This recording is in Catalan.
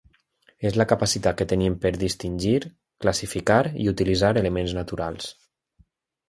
És la capacitat que tenim per distingir, classificar i utilitzar elements naturals.